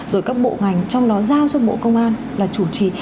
rồi các bộ ngành trong đó giao cho bộ công an là chủ trì